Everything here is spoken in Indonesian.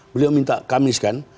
beliau minta kamis kan